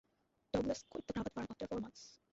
Douglas quit the Cravath firm after four months.